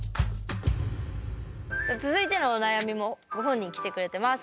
続いてのお悩みもご本人来てくれてます。